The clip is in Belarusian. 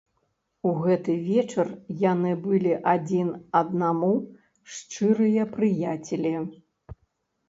У гэты вечар яны былі адзін аднаму шчырыя прыяцелі.